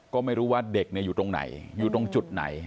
ก็ไม่รู้ว่าเด็กอยู่ตรงไหนอยู่ตรงจุดไหน